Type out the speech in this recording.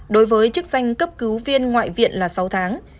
đối với chức danh cấp cứu viên ngoại viện là sáu tháng